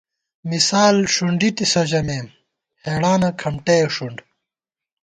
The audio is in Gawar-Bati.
مثال ݭُنڈِسَنتہ ژَمېم ہېڑانہ کھمٹَئے ݭُنڈ